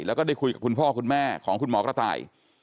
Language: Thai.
แล้วก็ได้คุยกับคุณพ่อคุณแม่ของคุณหมอกระต่าย